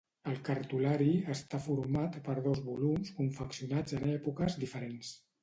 El cartulari està format per dos volums confeccionats en èpoques diferents.